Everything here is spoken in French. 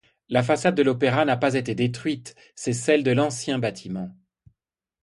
La façade de l'opéra n'a pas été détruite, c'est celle de l'ancien bâtiment.